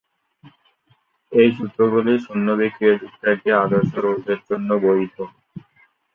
এই সূত্রগুলি শূন্য বিক্রিয়া যুক্ত একটি আদর্শ রোধের জন্য বৈধ।